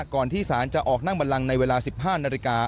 ก่อนที่ศาลจะออกนั่งบันลังในเวลา๑๕นาฬิกา